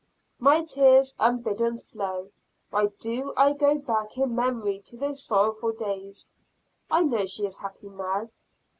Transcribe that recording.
My tears unbidden flow; why do I go back in memory to those sorrowful days? I know she is happy now.